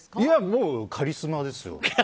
もうカリスマですよ。